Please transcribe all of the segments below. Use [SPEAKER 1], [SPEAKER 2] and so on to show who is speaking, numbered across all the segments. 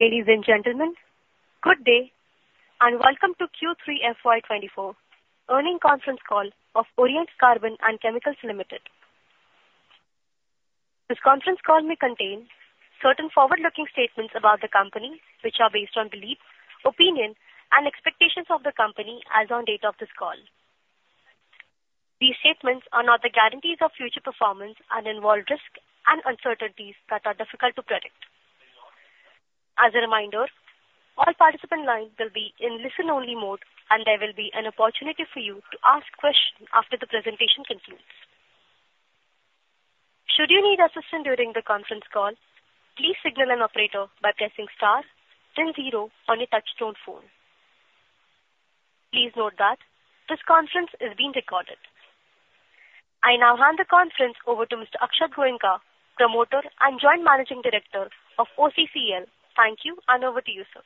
[SPEAKER 1] Ladies and gentlemen, good day, and welcome to Q3 FY24 earnings conference call of Oriental Carbon and Chemicals Limited. This conference call may contain certain forward-looking statements about the company, which are based on beliefs, opinions, and expectations of the company as on date of this call. These statements are not the guarantees of future performance and involve risks and uncertainties that are difficult to predict. As a reminder, all participant lines will be in listen-only mode, and there will be an opportunity for you to ask questions after the presentation concludes. Should you need assistance during the conference call, please signal an operator by pressing star then zero on your touchtone phone. Please note that this conference is being recorded. I now hand the conference over to Mr. Akshat Goenka, Promoter and Joint Managing Director of OCCL. Thank you, and over to you, sir.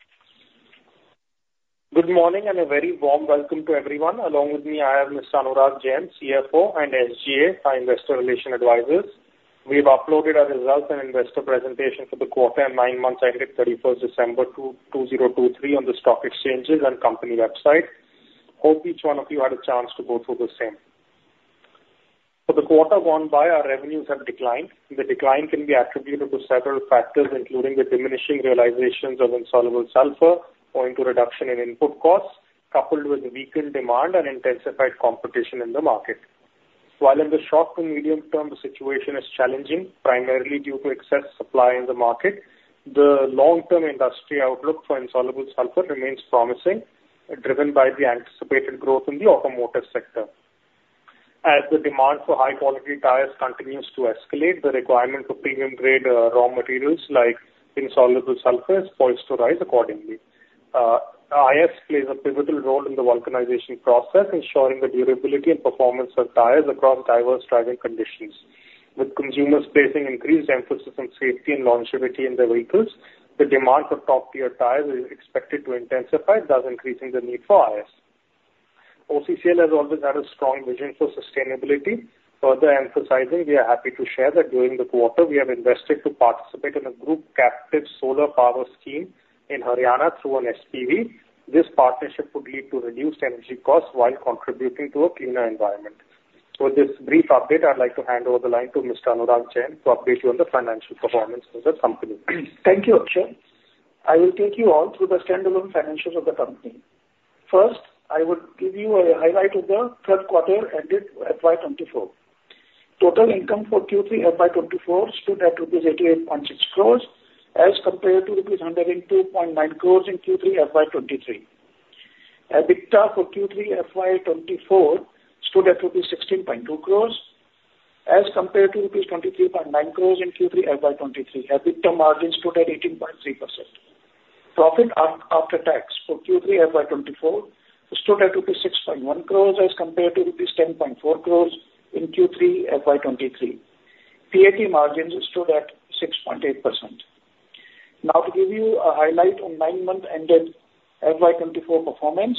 [SPEAKER 2] Good morning, and a very warm welcome to everyone. Along with me, I have Mr. Anurag Jain, CFO, and SGA, our investor relations advisors. We've uploaded our results and investor presentation for the quarter and nine months ended 31st December 2023 on the stock exchanges and company website. Hope each one of you had a chance to go through the same. For the quarter gone by, our revenues have declined. The decline can be attributed to several factors, including the diminishing realizations of insoluble sulfur, owing to reduction in input costs, coupled with weakened demand and intensified competition in the market. While in the short to medium term, the situation is challenging, primarily due to excess supply in the market, the long-term industry outlook for insoluble sulfur remains promising, driven by the anticipated growth in the automotive sector. As the demand for high-quality tires continues to escalate, the requirement for premium grade, raw materials like insoluble sulfur is poised to rise accordingly. IS plays a pivotal role in the vulcanization process, ensuring the durability and performance of tires across diverse driving conditions. With consumers placing increased emphasis on safety and longevity in their vehicles, the demand for top-tier tires is expected to intensify, thus increasing the need for IS. OCCL has always had a strong vision for sustainability. Further emphasizing, we are happy to share that during the quarter we have invested to participate in a group captive solar power scheme in Haryana through an SPV. This partnership would lead to reduced energy costs while contributing to a cleaner environment. For this brief update, I'd like to hand over the line to Mr. Anurag Jain to update you on the financial performance of the company.
[SPEAKER 3] Thank you, Akshat. I will take you all through the standalone financials of the company. First, I would give you a highlight of the third quarter ended FY 2024. Total income for Q3 FY 2024 stood at INR 88.6 crores, as compared to INR 102.9 crores in Q3 FY 2023. EBITDA for Q3 FY 2024 stood at rupees 16.2 crores, as compared to rupees 23.9 crores in Q3 FY 2023. EBITDA margins stood at 18.3%. Profit after tax for Q3 FY 2024 stood at rupees 6.1 crores as compared to rupees 10.4 crores in Q3 FY 2023. PAT margins stood at 6.8%. Now, to give you a highlight on nine-month ended FY 2024 performance,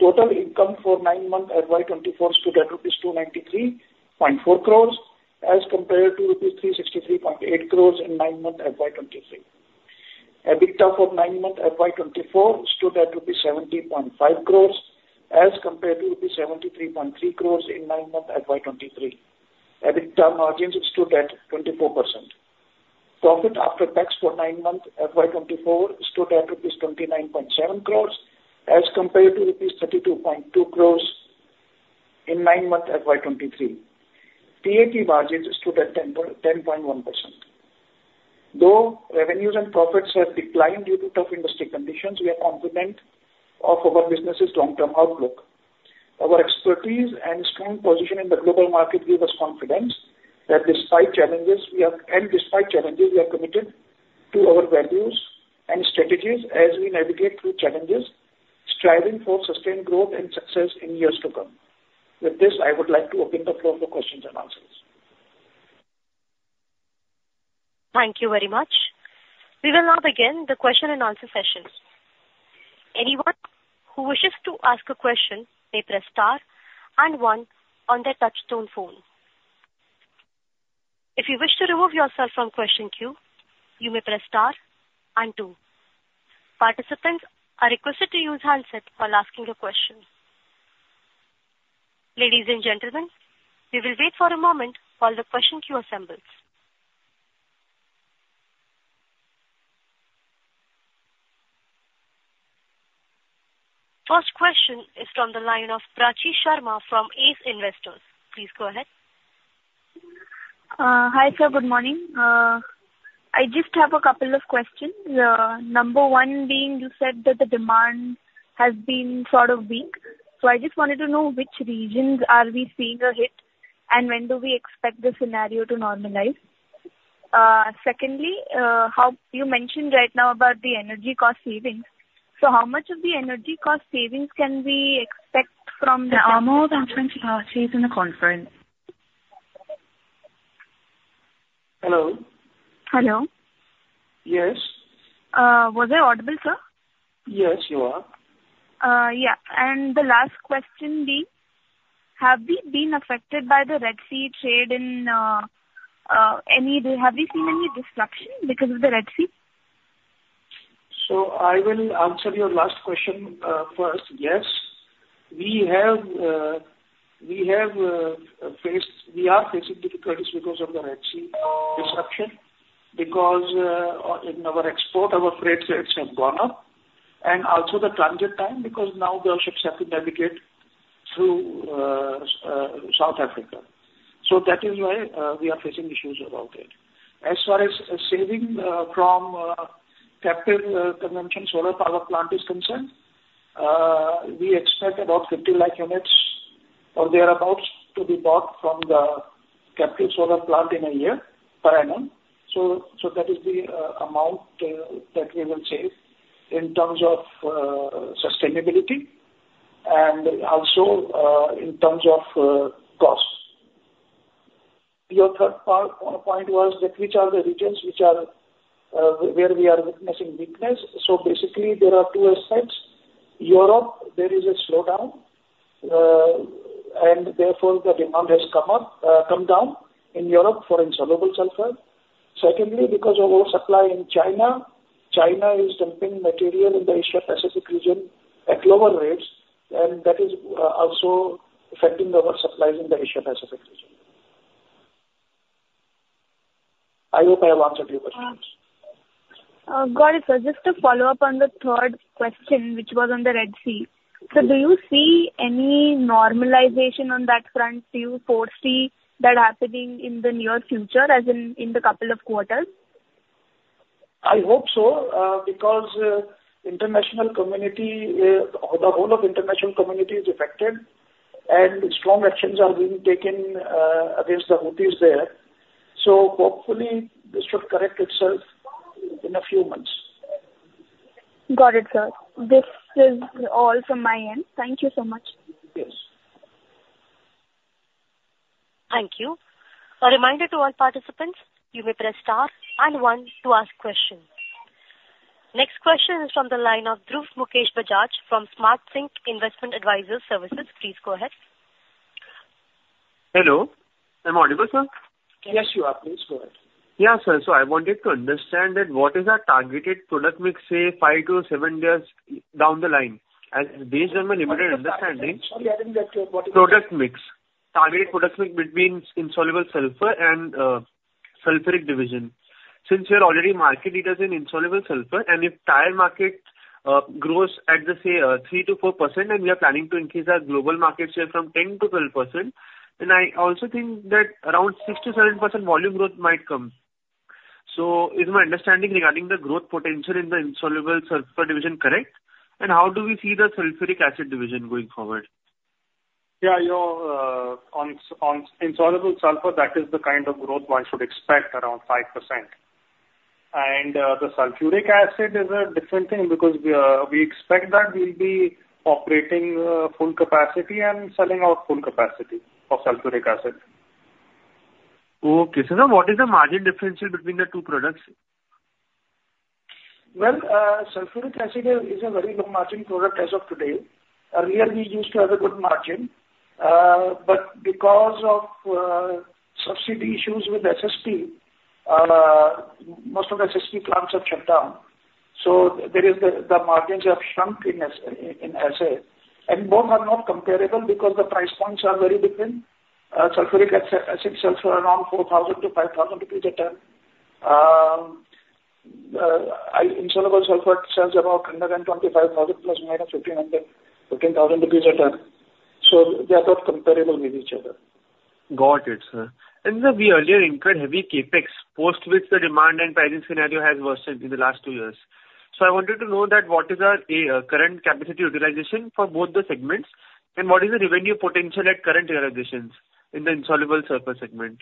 [SPEAKER 3] total income for 9 months FY 2024 stood at rupees 293.4 crores as compared to rupees 363.8 crores in 9 months FY 2023. EBITDA for 9 months FY 2024 stood at 70.5 crores as compared to 73.3 crores in 9 months FY 2023. EBITDA margins stood at 24%. Profit after tax for nine months FY 2024 stood at rupees 29.7 crores, as compared to rupees 32.2 crores in nine months FY 2023. PAT margins stood at 10.1%. Though revenues and profits have declined due to tough industry conditions, we are confident of our business's long-term outlook. Our expertise and strong position in the global market give us confidence that despite challenges we are. Despite challenges, we are committed to our values and strategies as we navigate through challenges, striving for sustained growth and success in years to come. With this, I would like to open the floor for questions and answers.
[SPEAKER 1] Thank you very much. We will now begin the question and answer session. Anyone who wishes to ask a question may press star and one on their touchtone phone. If you wish to remove yourself from question queue, you may press star and two. Participants are requested to use handset while asking a question. Ladies and gentlemen, we will wait for a moment while the question queue assembles. First question is from the line of Prachi Sharma from Ace Investors. Please go ahead.
[SPEAKER 4] Hi, sir. Good morning. I just have a couple of questions. Number one being, you said that the demand has been sort of weak, so I just wanted to know which regions are we seeing a hit, and when do we expect the scenario to normalize? Secondly, how. You mentioned right now about the energy cost savings. So how much of the energy cost savings can we expect from the-
[SPEAKER 1] Amol on the conference, she's in the conference.
[SPEAKER 3] Hello?
[SPEAKER 4] Hello.
[SPEAKER 3] Yes.
[SPEAKER 4] Was I audible, sir?
[SPEAKER 3] Yes, you are.
[SPEAKER 4] Yeah, and the last question being: Have we been affected by the Red Sea trade? Have we seen any disruption because of the Red Sea?
[SPEAKER 3] So I will answer your last question first. Yes, we have faced, we are facing difficulties because of the Red Sea disruption, because in our export, our freight rates have gone up, and also the transit time, because now the ships have to navigate through South Africa. So that is why we are facing issues about it. As far as saving from captive solar power plant is concerned, we expect about 50 lakh units or thereabout to be bought from the captive solar plant in a year, per annum. So that is the amount that we will save in terms of sustainability and also in terms of cost. Your third part point was that which are the regions where we are witnessing weakness? So basically there are two aspects: Europe, there is a slowdown, and therefore the demand has come up, come down in Europe for insoluble sulfur. Secondly, because of oversupply in China, China is dumping material in the Asia Pacific region at lower rates, and that is also affecting our supplies in the Asia Pacific region. I hope I have answered your questions.
[SPEAKER 4] Got it. Sir, just to follow up on the third question, which was on the Red Sea. So do you see any normalization on that front? Do you foresee that happening in the near future, as in, in the couple of quarters?
[SPEAKER 3] I hope so, because, international community, the whole of international community is affected, and strong actions are being taken, against the Houthis there. So hopefully this should correct itself in a few months.
[SPEAKER 4] Got it, sir. This is all from my end. Thank you so much.
[SPEAKER 3] Yes.
[SPEAKER 1] Thank you. A reminder to all participants, you may press Star and One to ask questions. Next question is from the line of Dhruv Mukesh Bajaj from Smart Sync Investment Advisory Services. Please go ahead.
[SPEAKER 5] Hello, am I audible, sir?
[SPEAKER 3] Yes, you are. Please go ahead.
[SPEAKER 5] Yeah, sir. So I wanted to understand that what is our targeted product mix, say, 5-7 years down the line? And based on my limited understanding-
[SPEAKER 3] Sorry, I didn't get your question.
[SPEAKER 5] Product mix. Targeted product mix between insoluble sulfur and sulfuric division. Since you're already market leaders in insoluble sulfur, and if tire market grows at the, say, 3%-4%, and we are planning to increase our global market share from 10%-12%, then I also think that around 6%-7% volume growth might come. So is my understanding regarding the growth potential in the insoluble sulfur division correct? And how do we see the sulfuric acid division going forward?
[SPEAKER 3] Yeah, you know, on insoluble sulfur, that is the kind of growth one should expect, around 5%. And, the sulfuric acid is a different thing, because, we expect that we'll be operating, full capacity and selling out full capacity for sulfuric acid.
[SPEAKER 5] Okay. So now, what is the margin differential between the two products?
[SPEAKER 3] Well, sulfuric acid is a very low margin product as of today. Earlier, we used to have a good margin, but because of subsidy issues with SSP, most of the SSP plants have shut down. So the margins have shrunk in SA, and both are not comparable because the price points are very different. Sulfuric acid sells for around 4,000-5,000 a ton. Insoluble sulfur sells about 125,000 ±15,000 a ton, so they are not comparable with each other.
[SPEAKER 5] Got it, sir. And sir, we earlier incurred heavy CapEx, post which the demand and pricing scenario has worsened in the last two years. So I wanted to know that, what is our current capacity utilization for both the segments, and what is the revenue potential at current utilizations in the insoluble sulfur segment?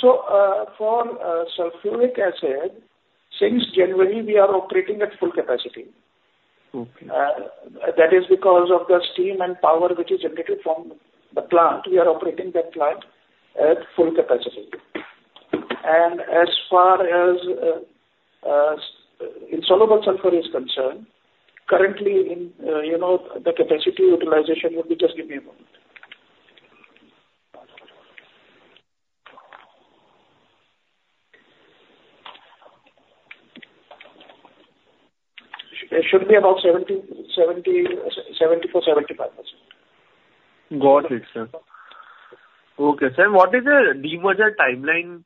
[SPEAKER 3] For sulfuric acid, since January we are operating at full capacity.
[SPEAKER 5] Okay.
[SPEAKER 3] That is because of the steam and power which is generated from the plant. We are operating that plant at full capacity. And as far as insoluble sulfur is concerned, currently in, you know, the capacity utilization would be, just give me a moment. It should be about 70%, 70%, 74%, 75%.
[SPEAKER 5] Got it, sir. Okay, sir, what is the demerger timeline?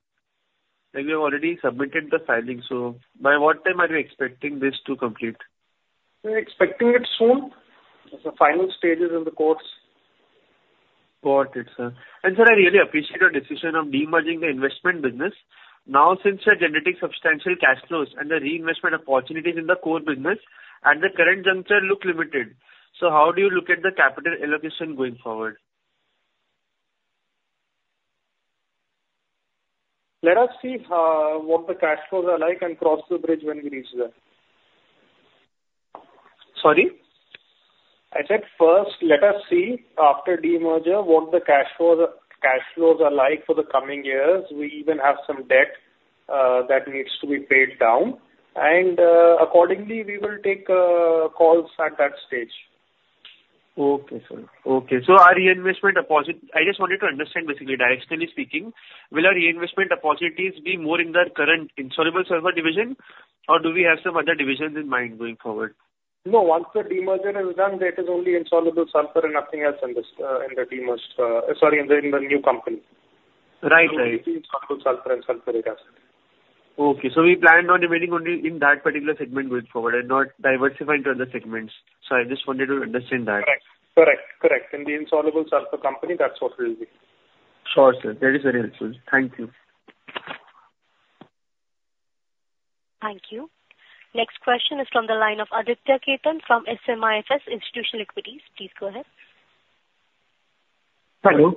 [SPEAKER 5] You've already submitted the filing, so by what time are you expecting this to complete?
[SPEAKER 3] We're expecting it soon. It's the final stages in the course.
[SPEAKER 5] Got it, sir. Sir, I really appreciate your decision of demerging the investment business. Now, since you're generating substantial cash flows and the reinvestment opportunities in the core business at the current juncture look limited, so how do you look at the capital allocation going forward?
[SPEAKER 3] Let us see, what the cash flows are like and cross the bridge when we reach there.
[SPEAKER 5] Sorry?
[SPEAKER 3] I said first, let us see after demerger, what the cash flows, cash flows are like for the coming years. We even have some debt that needs to be paid down, and, accordingly, we will take calls at that stage.
[SPEAKER 5] Okay, sir. Okay, so our reinvestment deposit, I just wanted to understand basically, directionally speaking, will our reinvestment opportunities be more in the current insoluble sulfur division, or do we have some other divisions in mind going forward?
[SPEAKER 3] No, once the demerger is done, that is only Insoluble Sulfur and nothing else in this, in the demerger, sorry, in the new company.
[SPEAKER 5] Right, right.
[SPEAKER 3] Insoluble sulfur and sulfuric acid.
[SPEAKER 5] Okay, so we planned on remaining only in that particular segment going forward and not diversifying to other segments. I just wanted to understand that.
[SPEAKER 3] Correct. Correct, correct. In the insoluble sulfur company, that's what we'll be.
[SPEAKER 5] Sure, sir, that is very helpful. Thank you.
[SPEAKER 1] Thank you. Next question is from the line of Aditya Khetan from SMIFS Institutional Equities. Please go ahead.
[SPEAKER 6] Hello.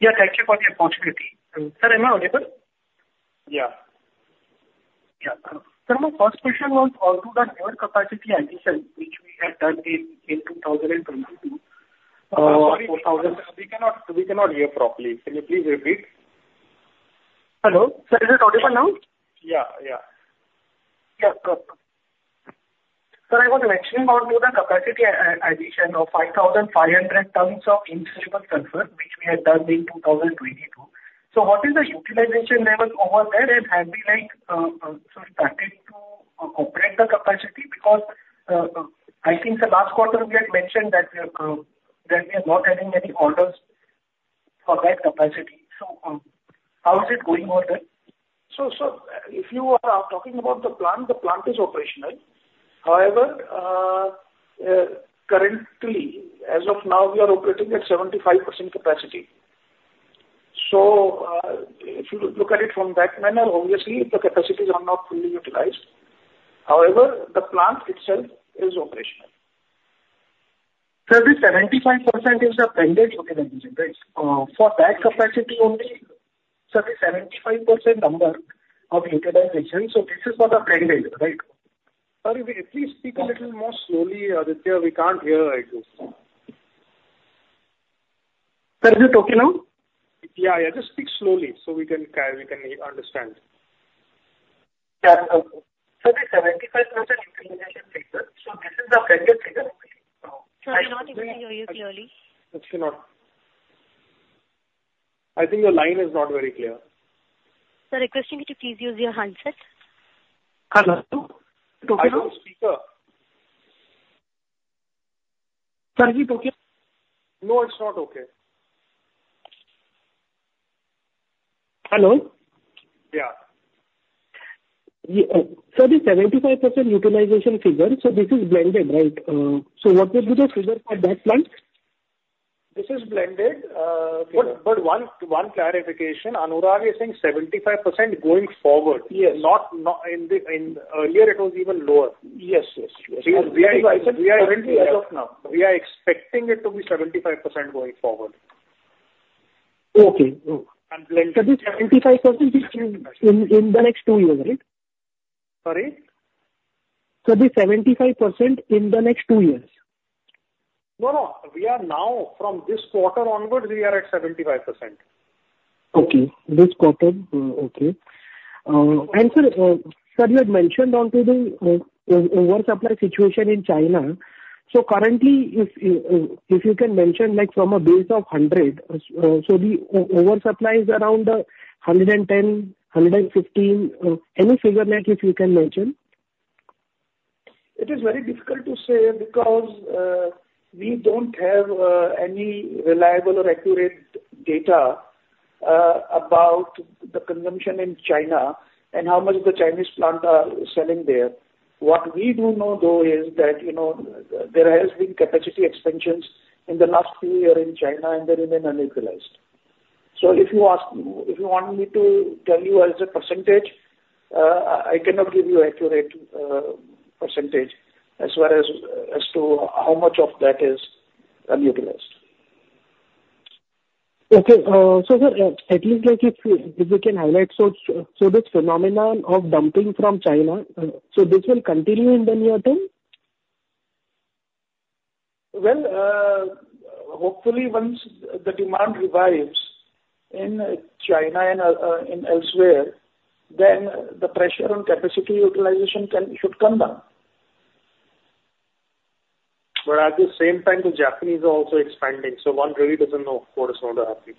[SPEAKER 6] Yeah, thank you for the opportunity. Sir, am I audible?
[SPEAKER 3] Yeah. Yeah.
[SPEAKER 6] Sir, my first question was on to the lower capacity addition, which we had done in 2022. Sorry, we cannot hear properly. Can you please repeat? Hello? Sir, is it audible now?
[SPEAKER 3] Yeah, yeah.
[SPEAKER 6] Yeah. Sir, I was mentioning on to the capacity addition of 5,500 tons of insoluble sulfur, which we had done in 2022. So what is the utilization level over there, and have you like, so started to operate the capacity? Because, I think the last quarter we had mentioned that we are, that we are not having any orders for that capacity. So, how is it going over there? So, if you are talking about the plant, the plant is operational. However, currently, as of now, we are operating at 75% capacity. So, if you look at it from that manner, obviously, the capacities are not fully utilized. However, the plant itself is operational. Sir, this 75% is the blended utilization, right? For that capacity only, sir, the 75% number of utilization, so this is for the blended, right?
[SPEAKER 3] Sir, if you at least speak a little more slowly, Aditya, we can't hear you.
[SPEAKER 6] Sir, is it okay now?
[SPEAKER 3] Yeah, yeah, just speak slowly so we can, we can understand.
[SPEAKER 6] Yeah. Okay. So the 75% utilization figure, so this is the blended figure?
[SPEAKER 1] Sir, we're not able to hear you clearly.
[SPEAKER 3] Still not. I think your line is not very clear.
[SPEAKER 1] Sir, I request you to please use your handset.
[SPEAKER 3] Hello.
[SPEAKER 6] Okay now?
[SPEAKER 3] I'm on speaker.
[SPEAKER 6] Sir, is it okay?
[SPEAKER 3] No, it's not okay.
[SPEAKER 6] Hello?
[SPEAKER 3] Yeah. Yeah.
[SPEAKER 6] Sir, the 75% utilization figure, so this is blended, right? So what will be the figure for that plant? This is blended. But one clarification, Anurag is saying 75% going forward.
[SPEAKER 3] Yes.
[SPEAKER 6] Earlier it was even lower.
[SPEAKER 3] Yes, yes, yes. We are currently as of now, we are expecting it to be 75% going forward.
[SPEAKER 6] Okay. And blended. So the 75% is in the next two years, right?
[SPEAKER 3] Sorry?
[SPEAKER 6] Sir, the 75% in the next two years.
[SPEAKER 3] No, no. We are now, from this quarter onwards, we are at 75%.
[SPEAKER 6] Okay. This quarter, okay. And sir, sir, you had mentioned on to the oversupply situation in China. So currently, if you can mention, like from a base of 100, so the oversupply is around 110, 115. Any figure like if you can mention?
[SPEAKER 3] It is very difficult to say because we don't have any reliable or accurate data about the consumption in China and how much the Chinese plants are selling there. What we do know, though, is that, you know, there has been capacity expansions in the last few years in China, and they remain unutilized. So if you ask. if you want me to tell you as a percentage, I cannot give you accurate percentage as well as to how much of that is unutilized.
[SPEAKER 6] Okay. So, sir, at least like if you can highlight, so this phenomenon of dumping from China, so this will continue in the near term?
[SPEAKER 3] Well, hopefully once the demand revives in China and in elsewhere, then the pressure on capacity utilization can should come down. At the same time, the Japanese are also expanding, so one really doesn't know what is going to happen.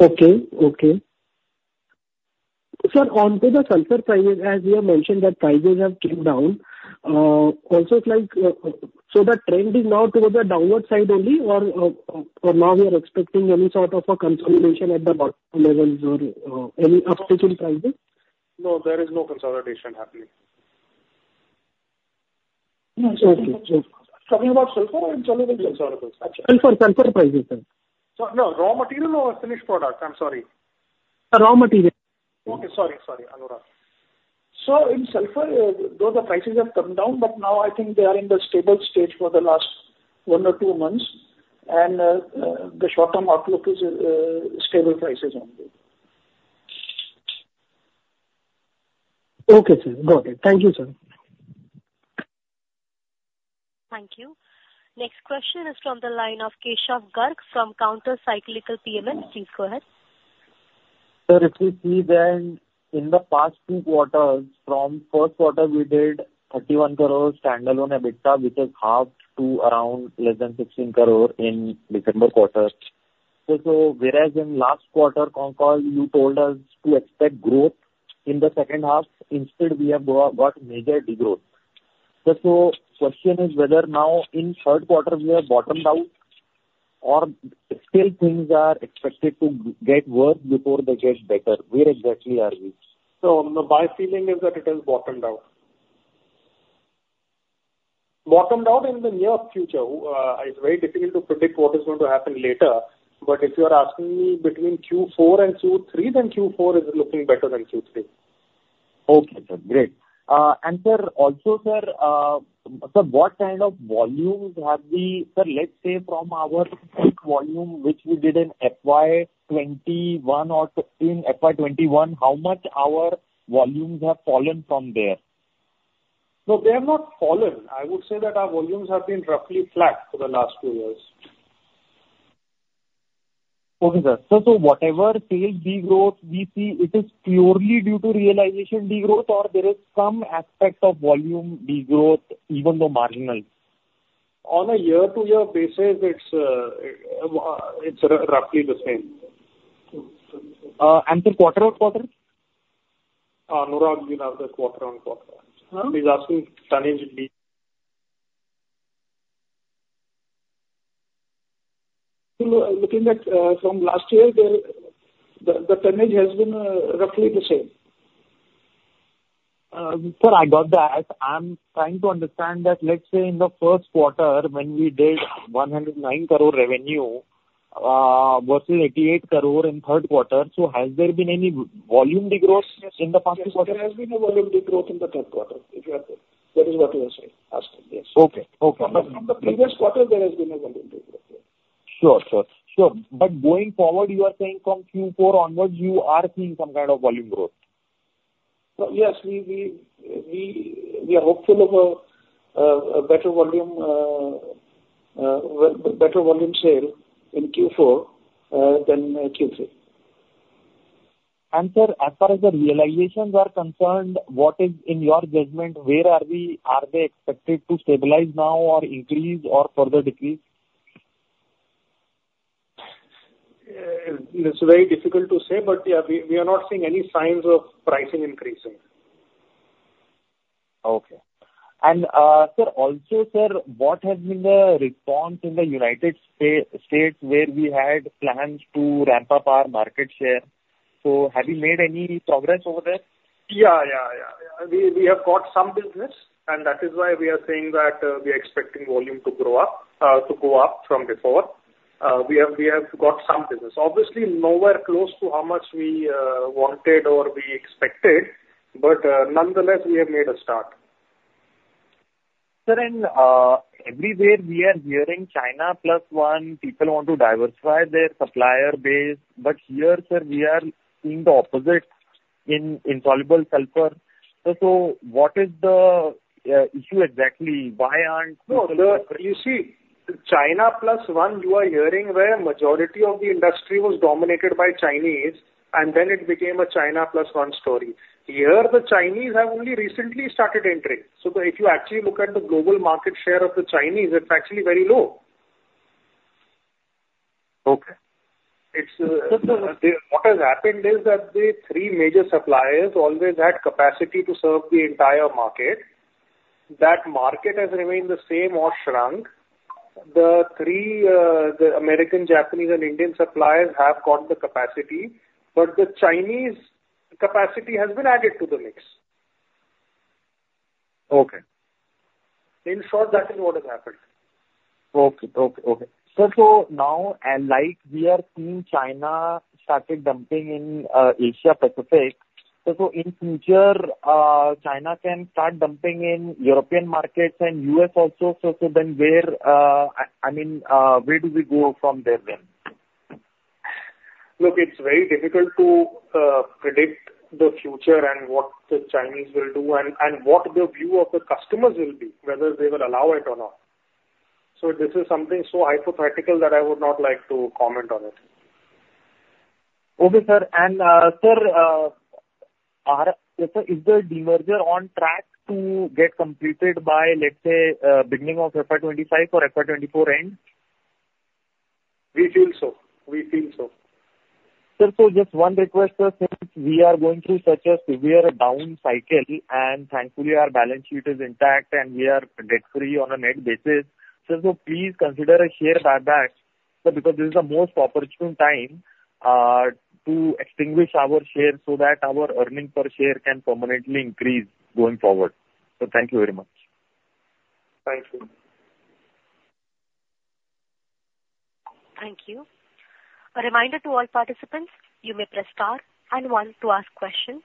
[SPEAKER 6] Okay. Okay. Sir, on to the sulfur prices, as you have mentioned, that prices have come down, also like, so the trend is now towards the downward side only, or now we are expecting any sort of a consolidation at the bottom levels or any uptick in prices?
[SPEAKER 3] No, there is no consolidation happening. Yes. Okay. Talking about sulfur or insoluble? Insoluble. Sulfur, sulfur prices, sir.
[SPEAKER 6] So, no, raw material or finished product? I'm sorry.
[SPEAKER 3] Raw material.
[SPEAKER 6] Okay. Sorry, sorry, Anurag.
[SPEAKER 3] So in sulfur, though the prices have come down, but now I think they are in the stable stage for the last one or two months, and the short-term outlook is stable prices only.
[SPEAKER 6] Okay, sir. Got it. Thank you, sir.
[SPEAKER 1] Thank you. Next question is from the line of Keshav Garg from Counter Cyclical PMS. Please go ahead.
[SPEAKER 7] Sir, if you see, then in the past two quarters, from first quarter we did 31 crore standalone EBITDA, which is half to around less than 16 crore in December quarter. So whereas in last quarter con call, you told us to expect growth in the second half, instead we have got major degrowth. Sir, so question is whether now in third quarter we have bottomed out, or still things are expected to get worse before they get better. Where exactly are we?
[SPEAKER 3] So my feeling is that it has bottomed out. Bottomed out in the near future. It's very difficult to predict what is going to happen later, but if you are asking me between Q4 and Q3, then Q4 is looking better than Q3.
[SPEAKER 7] Okay, sir. Great. And sir, also, sir, sir, what kind of volumes have we... Sir, let's say from our peak volume, which we did in FY 2021 or in FY 2021, how much our volumes have fallen from there?
[SPEAKER 3] No, they have not fallen. I would say that our volumes have been roughly flat for the last two years.
[SPEAKER 7] Okay, sir. So, whatever sales degrowth we see, it is purely due to realization degrowth, or there is some aspect of volume degrowth, even though marginal?
[SPEAKER 3] On a year-to-year basis, it's roughly the same.
[SPEAKER 7] The quarter-over-quarter?
[SPEAKER 3] Anurag, you have the quarter-over-quarter.
[SPEAKER 7] Huh?
[SPEAKER 3] He's asking tonnage de- Looking at from last year, the tonnage has been roughly the same.
[SPEAKER 7] Sir, I got that. I'm trying to understand that, let's say, in the first quarter, when we did 109 crore revenue versus 88 crore in third quarter, so has there been any volume degrowth in the past quarter?
[SPEAKER 3] There has been a volume degrowth in the third quarter, if you are, that is what you are saying, asking, yes.
[SPEAKER 7] Okay. Okay.
[SPEAKER 3] From the previous quarter, there has been a volume degrowth, yes.
[SPEAKER 7] Sure, sir. Sure, but going forward, you are saying from Q4 onwards, you are seeing some kind of volume growth?
[SPEAKER 3] Yes, we are hopeful of a better volume sale in Q4 than Q3.
[SPEAKER 7] Sir, as far as the realizations are concerned, what is, in your judgment, where are we? Are they expected to stabilize now, or increase, or further decrease?
[SPEAKER 3] It's very difficult to say, but, yeah, we, we are not seeing any signs of pricing increasing.
[SPEAKER 7] Okay. Sir, also, sir, what has been the response in the United States where we had plans to ramp up our market share? So have you made any progress over there?
[SPEAKER 3] Yeah, yeah, yeah. We, we have got some business, and that is why we are saying that, we are expecting volume to grow up, to go up from before. We have, we have got some business. Obviously, nowhere close to how much we wanted or we expected, but, nonetheless, we have made a start.
[SPEAKER 7] Sir, everywhere we are hearing China plus one, people want to diversify their supplier base. But here, sir, we are seeing the opposite in insoluble sulfur. So what is the issue exactly? Why aren't-
[SPEAKER 3] No, sir, you see, China plus one, you are hearing where majority of the industry was dominated by Chinese, and then it became a China plus one story. Here, the Chinese have only recently started entering. So if you actually look at the global market share of the Chinese, it's actually very low.
[SPEAKER 7] Okay.
[SPEAKER 3] It's, uh-
[SPEAKER 7] Sir, sir-
[SPEAKER 3] What has happened is that the three major suppliers always had capacity to serve the entire market. That market has remained the same or shrunk. The three, the American, Japanese, and Indian suppliers have got the capacity, but the Chinese capacity has been added to the mix.
[SPEAKER 7] Okay.
[SPEAKER 3] In short, that is what has happened.
[SPEAKER 7] Okay. Okay, okay. Sir, so now, and like we are seeing China started dumping in Asia Pacific, so in future, China can start dumping in European markets and U.S. also. So then where, I mean, where do we go from there then?
[SPEAKER 3] Look, it's very difficult to predict the future and what the Chinese will do and what the view of the customers will be, whether they will allow it or not. So this is something so hypothetical that I would not like to comment on it.
[SPEAKER 7] Okay, sir. And, sir, is the demerger on track to get completed by, let's say, beginning of FY 2025 or FY 2024 end?
[SPEAKER 3] We feel so.
[SPEAKER 7] Sir, so just one request, sir, since we are going through such a severe down cycle, and thankfully our balance sheet is intact, and we are debt-free on a net basis, sir, so please consider a share buyback, sir, because this is the most opportune time to extinguish our shares so that our earnings per share can permanently increase going forward. Sir, thank you very much.
[SPEAKER 3] Thank you.
[SPEAKER 1] Thank you. A reminder to all participants, you may press star and one to ask questions.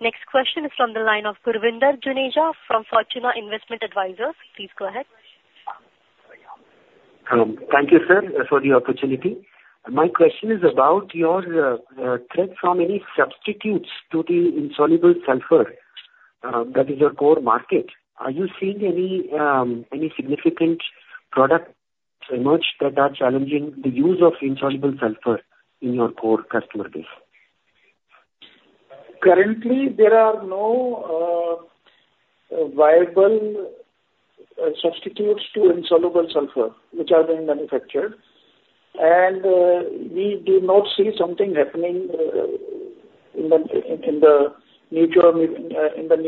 [SPEAKER 1] Next question is from the line of Gurvinder Juneja from Fortuna Investment Advisors. Please go ahead.
[SPEAKER 8] Thank you, sir, for the opportunity. My question is about your threat from any substitutes to the insoluble sulfur that is your core market. Are you seeing any significant product emerge that are challenging the use of insoluble sulfur in your core customer base?
[SPEAKER 3] Currently, there are no viable substitutes to insoluble sulfur which are being manufactured, and we do not see something happening in the near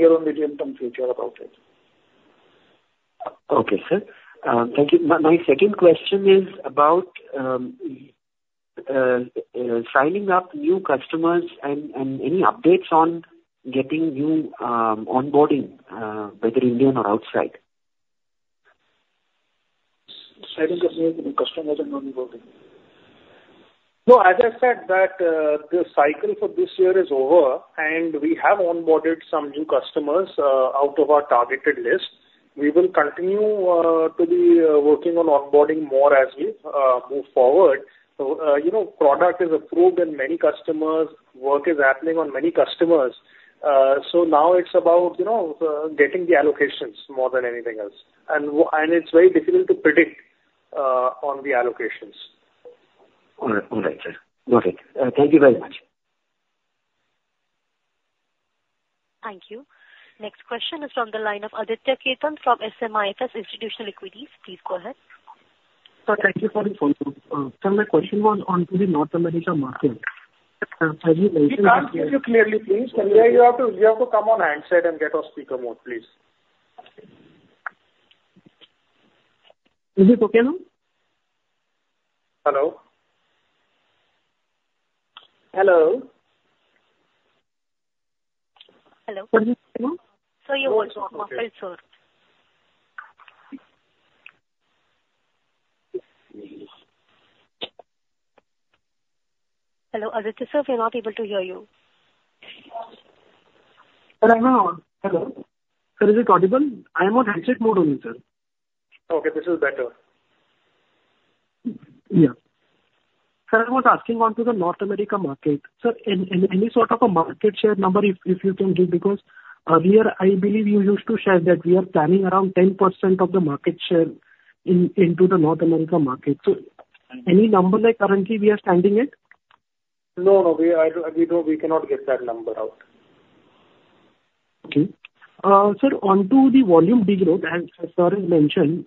[SPEAKER 3] or medium-term future about it.
[SPEAKER 8] Okay, sir. Thank you. My second question is about signing up new customers and any updates on getting new onboarding, whether Indian or outside.
[SPEAKER 3] Signing customers and onboarding. No, as I said, that, the cycle for this year is over, and we have onboarded some new customers out of our targeted list. We will continue to be working on onboarding more as we move forward. You know, product is approved, and many customers work is happening on many customers. So now it's about, you know, getting the allocations more than anything else. And it's very difficult to predict on the allocations.
[SPEAKER 8] All right. All right, sir. Got it. Thank you very much.
[SPEAKER 1] Thank you. Next question is from the line of Aditya Khetan from SMIFS Institutional Equities. Please go ahead.
[SPEAKER 6] Sir, thank you for the call. Sir, my question was on to the North America market. As you mentioned—
[SPEAKER 3] We can't hear you clearly, please. You have to, you have to come on handset and get off speaker mode, please.
[SPEAKER 1] Hello?
[SPEAKER 3] Hello.
[SPEAKER 1] Hello. Sir, you are on mobile phone. Hello, Aditya, sir, we are not able to hear you.
[SPEAKER 6] Hello. Sir, is it audible? I am on handset mode only, sir.
[SPEAKER 3] Okay, this is better.
[SPEAKER 6] Yeah. Sir, I was asking onto the North America market. Sir, any sort of a market share number if you can give, because we are, I believe you used to share that we are planning around 10% of the market share into the North America market. So any number like currently we are standing it?
[SPEAKER 3] No, no. We are, we don't, we cannot get that number out.
[SPEAKER 6] Okay. Sir, onto the volume degrowth, and as far as mentioned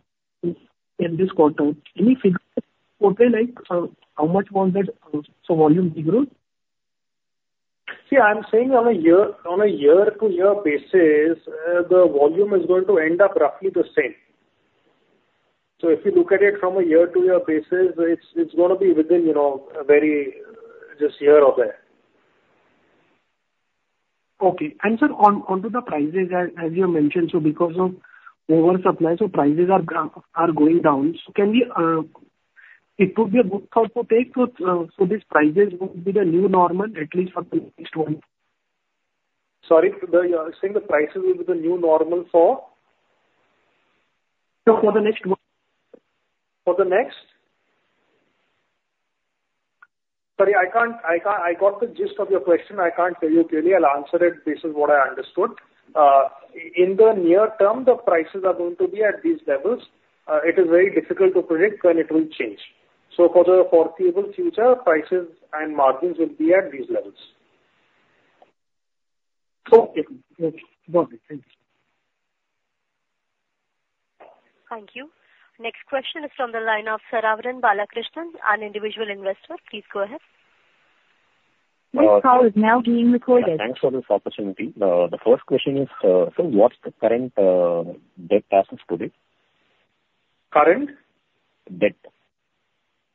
[SPEAKER 6] in this quarter, any figure, okay, like, how much was that, so volume degrowth? See, I'm saying on a year-to-year basis, the volume is going to end up roughly the same.
[SPEAKER 3] So if you look at it from a year-to-year basis, it's gonna be within, you know, a very just here or there.
[SPEAKER 6] Okay. And sir, onto the prices as you mentioned, so because of oversupply, so prices are down, are going down. So can we, it could be a good call to take, so these prices would be the new normal, at least for the next one? Sorry, you are saying the prices will be the new normal for? Sir, for the next one.
[SPEAKER 3] For the next? Sorry, I can't. I got the gist of your question. I can't tell you clearly. I'll answer it based on what I understood. In the near term, the prices are going to be at these levels. It is very difficult to predict when it will change. So for the foreseeable future, prices and margins will be at these levels.
[SPEAKER 6] Okay. Okay. Got it. Thank you.
[SPEAKER 1] Thank you. Next question is from the line of Saravanan Balakrishnan, an individual investor. Please go ahead. This call is now being recorded.
[SPEAKER 9] Thanks for this opportunity. The first question is, so what's the current debt as of today?
[SPEAKER 3] Current?
[SPEAKER 9] Debt.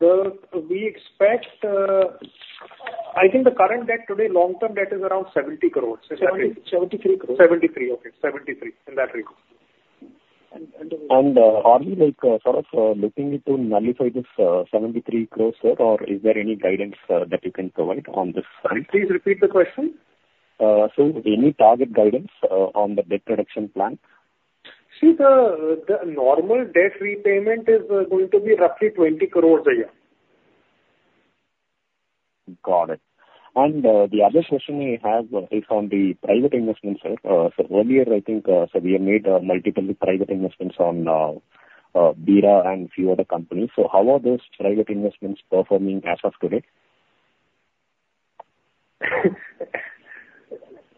[SPEAKER 3] We expect, I think the current debt today, long-term debt is around 70 crores.
[SPEAKER 9] 73 crore.
[SPEAKER 3] 73 crore, okay. 73 crore in that record.
[SPEAKER 9] Are you, like, sort of, looking to nullify this 73 crore, sir, or is there any guidance that you can provide on this side?
[SPEAKER 3] Please repeat the question.
[SPEAKER 9] Any target guidance on the debt reduction plan?
[SPEAKER 3] See, the normal debt repayment is going to be roughly 20 crore a year.
[SPEAKER 9] Got it. And the other question I have is on the private investment, sir. So earlier, I think, we have made multiple private investments on Bira and few other companies. So how are those private investments performing as of today?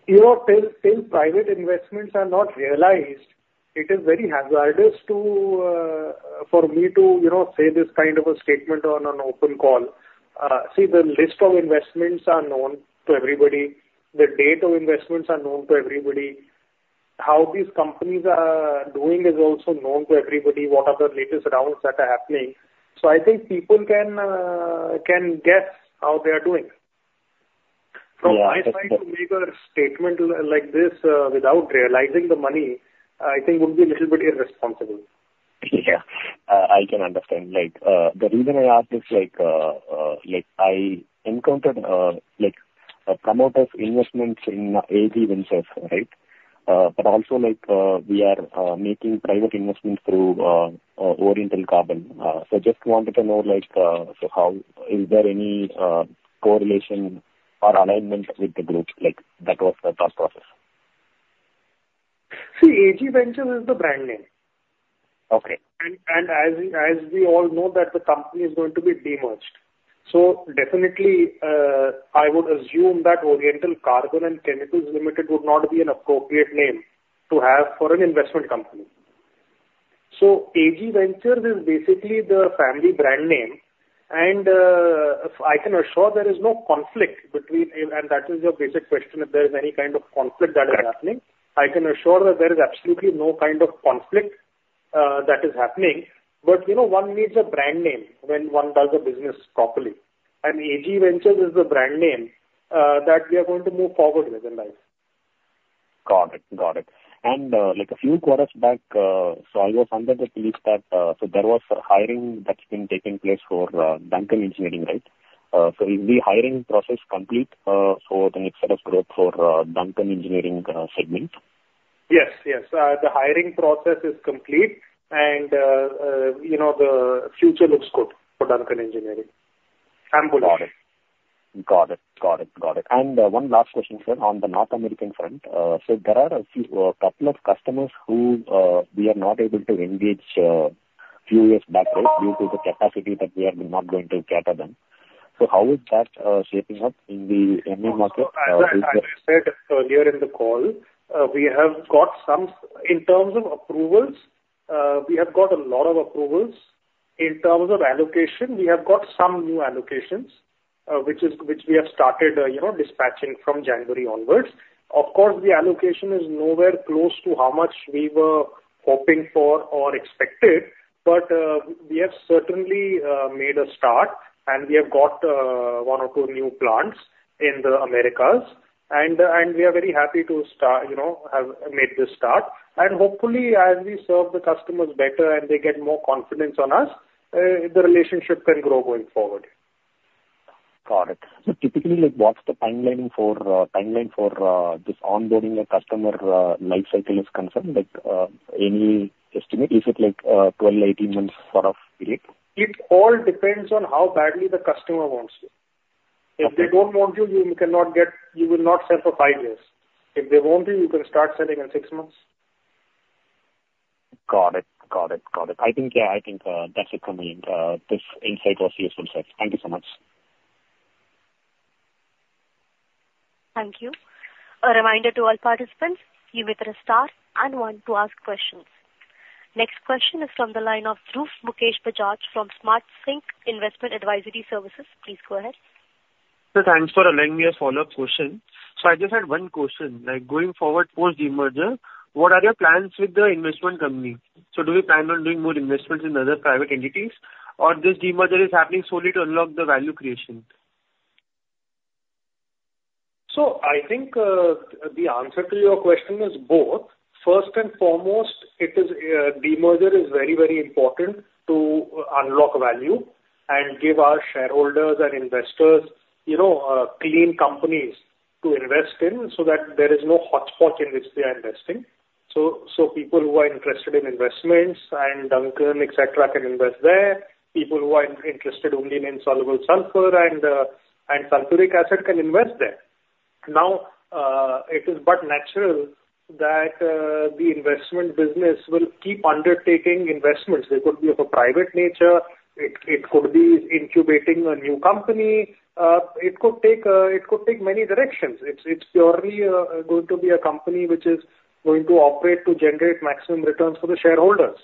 [SPEAKER 3] You know, till private investments are not realized, it is very hazardous to, for me to, you know, say this kind of a statement on an open call. See, the list of investments are known to everybody. The date of investments are known to everybody. How these companies are doing is also known to everybody, what are the latest rounds that are happening. So I think people can, can guess how they are doing.
[SPEAKER 9] Yeah.
[SPEAKER 3] I try to make a statement like this without realizing the money. I think would be a little bit irresponsible.
[SPEAKER 9] Yeah. I can understand. Like, the reason I ask this, like, I encountered, like, a gamut of investments in AG Ventures, right? But also like, we are making private investments through Oriental Carbon. So just wanted to know, like, so how is there any correlation or alignment with the groups, like that was the thought process?
[SPEAKER 3] See, AG Ventures is the brand name.
[SPEAKER 9] Okay.
[SPEAKER 3] And as we all know that the company is going to be demerged. So definitely, I would assume that Oriental Carbon & Chemicals Limited would not be an appropriate name to have for an investment company. So AG Ventures is basically the family brand name, and I can assure there is no conflict between. And that is your basic question, if there is any kind of conflict that is happening.
[SPEAKER 9] Right.
[SPEAKER 3] I can assure that there is absolutely no kind of conflict, that is happening. But you know, one needs a brand name when one does the business properly, and AG Ventures is the brand name, that we are going to move forward with in life.
[SPEAKER 9] Got it. Got it. And, like a few quarters back, so I was under the belief that, so there was hiring that's been taking place for Duncan Engineering, right? So is the hiring process complete for the next set of growth for Duncan Engineering segment?
[SPEAKER 3] Yes. Yes. The hiring process is complete, and, you know, the future looks good for Duncan Engineering and bullish.
[SPEAKER 9] Got it. Got it. Got it. And, one last question, sir, on the North American front. So there are a few, a couple of customers who, we are not able to engage, few years back, right, due to the capacity that we are not going to cater them. So how is that, shaping up in the NA market?
[SPEAKER 3] As I said earlier in the call, we have got some. In terms of approvals, we have got a lot of approvals. In terms of allocation, we have got some new allocations, which we have started, you know, dispatching from January onwards. Of course, the allocation is nowhere close to how much we were hoping for or expected, but we have certainly made a start, and we have got one or two new plants in the Americas. And we are very happy to start, you know, have made this start. And hopefully, as we serve the customers better and they get more confidence on us, the relationship can grow going forward.
[SPEAKER 9] Got it. So typically, like, what's the timeline for this onboarding a customer lifecycle is concerned? Like, any estimate? Is it like, 12-18 months sort of period?
[SPEAKER 3] It all depends on how badly the customer wants you.
[SPEAKER 9] Okay.
[SPEAKER 3] If they don't want you, you will not sell for five years. If they want you, you can start selling in six months.
[SPEAKER 9] Got it. Got it. Got it. I think, yeah, I think, that's it from me. This insight was useful, sir. Thank you so much.
[SPEAKER 1] Thank you. A reminder to all participants, you may press star and one to ask questions. Next question is from the line of Dhruv Mukesh Bajaj from SmartSync Investment Advisory Services. Please go ahead.
[SPEAKER 5] Sir, thanks for allowing me a follow-up question. So I just had one question. Like, going forward, post demerger, what are your plans with the investment company? So do you plan on doing more investments in other private entities, or this demerger is happening solely to unlock the value creation?
[SPEAKER 3] So I think, the answer to your question is both. First and foremost, it is, demerger is very, very important to unlock value and give our shareholders and investors, you know, clean companies to invest in, so that there is no hotspot in which they are investing. So, people who are interested in investments and Duncan, et cetera, can invest there. People who are interested only in insoluble sulfur and, and sulfuric acid can invest there. Now, it is but natural that, the investment business will keep undertaking investments. They could be of a private nature. It could be incubating a new company. It could take many directions. It's purely going to be a company which is going to operate to generate maximum returns for the shareholders.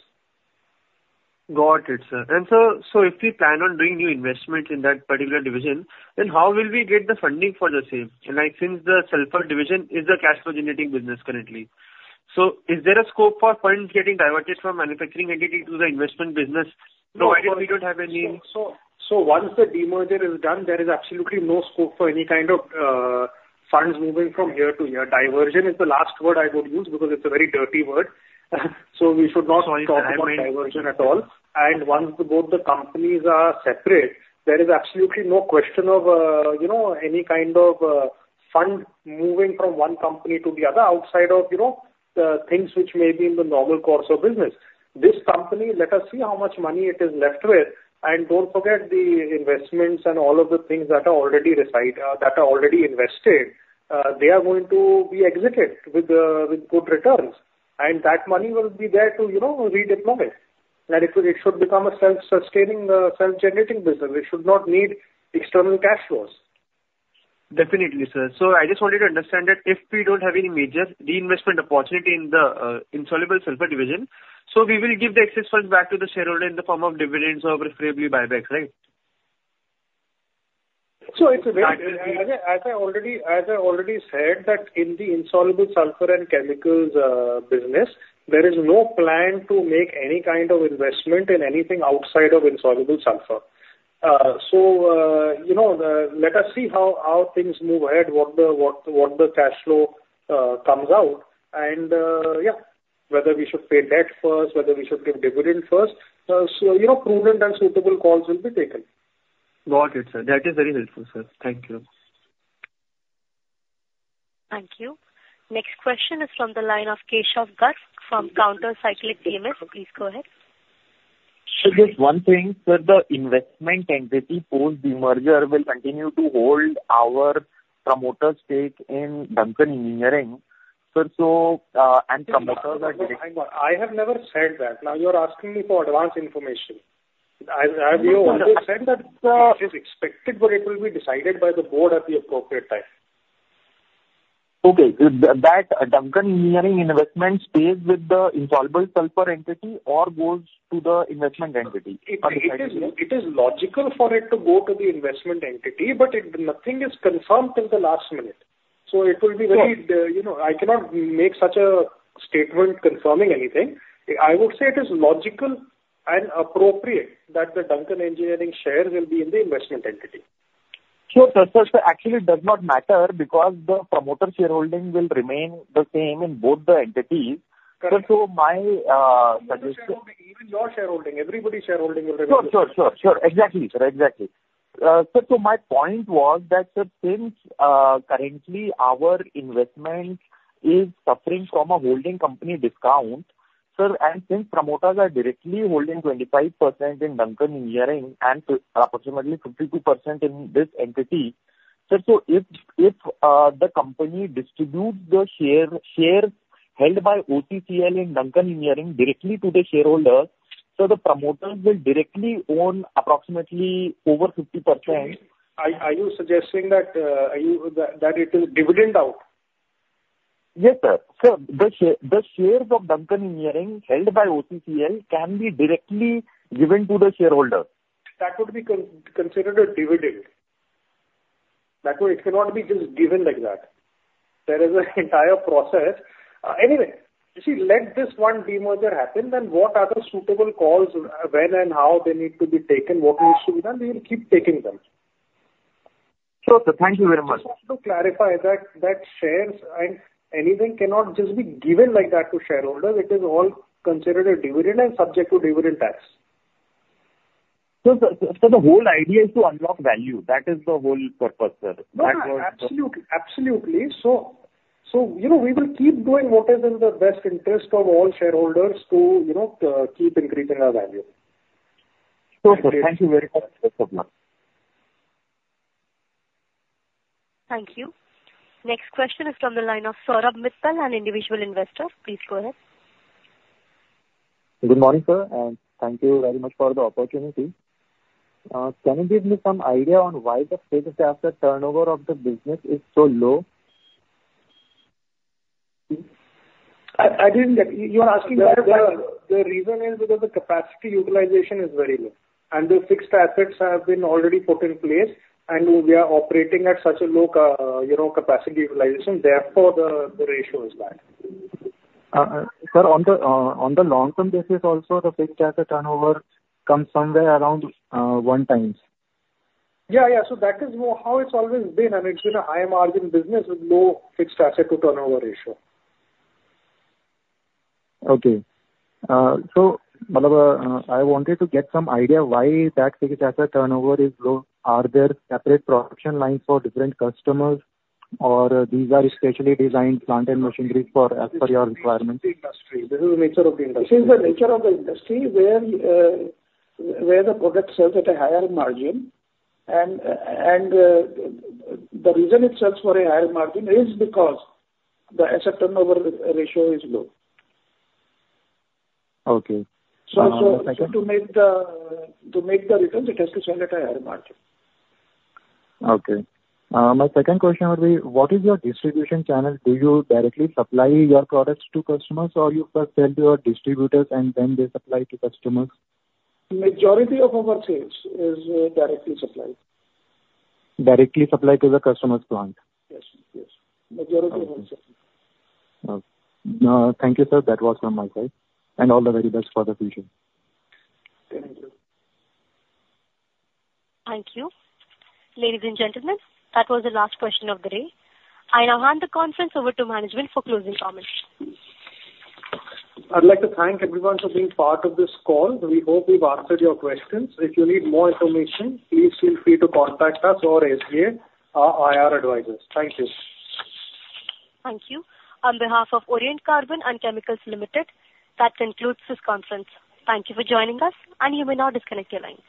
[SPEAKER 5] Got it, sir. Sir, so if we plan on doing new investment in that particular division, then how will we get the funding for the same? Like, since the sulphur division is the cash flow generating business currently. So is there a scope for funds getting diverted from manufacturing entity to the investment business? We don't have any-
[SPEAKER 3] Once the demerger is done, there is absolutely no scope for any kind of funds moving from here to here. Diversion is the last word I would use because it's a very dirty word. So we should not talk about diversion at all.
[SPEAKER 5] Sorry.
[SPEAKER 3] Once both the companies are separate, there is absolutely no question of, you know, any kind of fund moving from one company to the other, outside of, you know, things which may be in the normal course of business. This company, let us see how much money it is left with. And don't forget the investments and all of the things that are already invested, they are going to be exited with good returns, and that money will be there to, you know, redeploy it. That it should become a self-sustaining, self-generating business. It should not need external cash flows.
[SPEAKER 5] Definitely, sir. So I just wanted to understand that if we don't have any major reinvestment opportunity in the insoluble sulfur division, so we will give the excess funds back to the shareholder in the form of dividends or preferably buybacks, right?
[SPEAKER 3] So as I already said, that in the insoluble sulfur and chemicals business, there is no plan to make any kind of investment in anything outside of insoluble sulfur. So, you know, let us see how things move ahead, what the cash flow comes out. And, yeah, whether we should pay debt first, whether we should give dividend first. So, you know, prudent and suitable calls will be taken....
[SPEAKER 5] Got it, sir. That is very helpful, sir. Thank you.
[SPEAKER 1] Thank you. Next question is from the line of Keshav Garg from Counter Cyclical MS. Please go ahead.
[SPEAKER 7] Sir, just one thing, sir, the investment entity post demerger will continue to hold our promoter stake in Duncan Engineering. Sir, so, and promoters are-
[SPEAKER 3] I have never said that. Now, you are asking me for advance information. I, I've only said that, it is expected, but it will be decided by the board at the appropriate time.
[SPEAKER 7] Okay. That Duncan Engineering investment stays with the insoluble sulfur entity or goes to the investment entity?
[SPEAKER 3] It is logical for it to go to the investment entity, but nothing is confirmed till the last minute. So it will be very-
[SPEAKER 7] Sure.
[SPEAKER 3] You know, I cannot make such a statement confirming anything. I would say it is logical and appropriate that the Duncan Engineering share will be in the investment entity.
[SPEAKER 7] Sure. Sir, actually it does not matter, because the promoter shareholding will remain the same in both the entities.
[SPEAKER 3] Correct.
[SPEAKER 7] So my-
[SPEAKER 3] Even your shareholding, even your shareholding, everybody's shareholding will remain the same.
[SPEAKER 7] Sure, sure, sure, sure. Exactly, sir. Exactly. Sir, so my point was that, sir, since currently our investment is suffering from a holding company discount, sir, and since promoters are directly holding 25% in Duncan Engineering and approximately 52% in this entity, sir, so if the company distributes the shares held by OCCL in Duncan Engineering directly to the shareholders, so the promoters will directly own approximately over 50%.
[SPEAKER 3] Are you suggesting that it will dividend out?
[SPEAKER 7] Yes, sir. Sir, the share, the shares of Duncan Engineering held by OCCL can be directly given to the shareholder.
[SPEAKER 3] That would be considered a dividend. That way it cannot be just given like that. There is an entire process. Anyway, you see, let this one demerger happen, then what are the suitable calls, when and how they need to be taken, what needs to be done, we will keep taking them.
[SPEAKER 7] Sure, sir. Thank you very much.
[SPEAKER 3] Just to clarify that shares and anything cannot just be given like that to shareholders. It is all considered a dividend and subject to dividend tax.
[SPEAKER 7] So, the whole idea is to unlock value. That is the whole purpose, sir.
[SPEAKER 3] Yeah, absolutely, absolutely. So, you know, we will keep doing what is in the best interest of all shareholders to, you know, keep increasing our value.
[SPEAKER 7] Sure, sir. Thank you very much.
[SPEAKER 1] Thank you. Next question is from the line of Saurabh Mittal, an individual investor. Please go ahead.
[SPEAKER 10] Good morning, sir, and thank you very much for the opportunity. Can you give me some idea on why the fixed asset turnover of the business is so low?
[SPEAKER 3] I didn't—you're asking about—
[SPEAKER 10] The reason is because the capacity utilization is very low, and the fixed assets have been already put in place, and we are operating at such a low, you know, capacity utilization, therefore, the ratio is bad.
[SPEAKER 3] Sir, on the long-term basis also, the fixed asset turnover comes somewhere around 1x.
[SPEAKER 10] Yeah, yeah. So that is more how it's always been. I mean, it's been a high margin business with low fixed asset to turnover ratio.
[SPEAKER 3] Okay. So, I wanted to get some idea why that fixed asset turnover is low. Are there separate production lines for different customers, or these are specially designed plant and machinery for, as per your requirement?
[SPEAKER 10] This is the industry. This is the nature of the industry.
[SPEAKER 3] This is the nature of the industry, where the product sells at a higher margin, and the reason it sells for a higher margin is because the asset turnover ratio is low.
[SPEAKER 10] Okay.
[SPEAKER 3] To make the returns, it has to sell at a higher margin.
[SPEAKER 10] Okay. My second question would be, what is your distribution channel? Do you directly supply your products to customers, or you first sell to your distributors and then they supply to customers?
[SPEAKER 3] Majority of our sales is directly supplied.
[SPEAKER 10] Directly supplied to the customer's plant?
[SPEAKER 3] Yes, yes. Majority of them, sir.
[SPEAKER 10] Thank you, sir. That was from my side, and all the very best for the future.
[SPEAKER 3] Thank you.
[SPEAKER 1] Thank you. Ladies and gentlemen, that was the last question of the day. I now hand the conference over to management for closing comments.
[SPEAKER 3] I'd like to thank everyone for being part of this call. We hope we've answered your questions. If you need more information, please feel free to contact us or ask your, our IR advisors. Thank you.
[SPEAKER 1] Thank you. On behalf of Oriental Carbon & Chemicals Limited, that concludes this conference. Thank you for joining us, and you may now disconnect your lines.